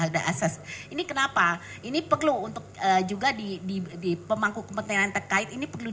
jadinya harapan kami juga pemerintah